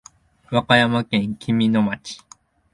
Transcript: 和歌山県紀美野町